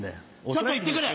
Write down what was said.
ちょっと行って来る！